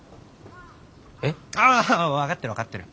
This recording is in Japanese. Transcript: えっ？ああ分かってる分かってる！